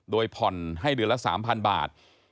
โดยผ่อนให้เดือนละ๓๐๐บาท